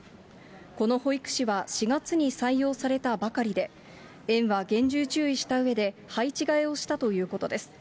この保育士は、４月に採用されたばかりで、園は厳重注意したうえで、配置換えをしたということです。